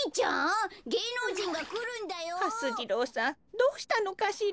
どうしたのかしら。